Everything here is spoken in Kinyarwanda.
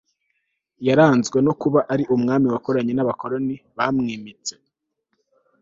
yaranzwe no kuba ari umwami wakoranye n'abakoroni bamwimitse